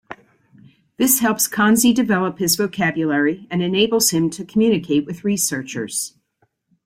This helps Kanzi develop his vocabulary and enables him to communicate with researchers.